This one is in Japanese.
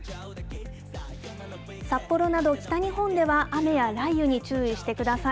札幌など、北日本では雨や雷雨に注意してください。